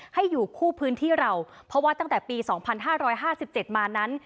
ให้อยู่คู่พื้นที่เราเพราะว่าตั้งแต่ปี๒๕๕๗มานั้น